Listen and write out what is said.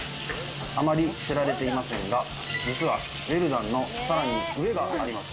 あまり知られていませんが、実はウェルダンのさらに上があります。